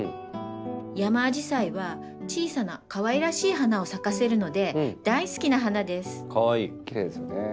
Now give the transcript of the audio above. ヤマアジサイは小さなかわいらしい花を咲かせるので大好きな花です。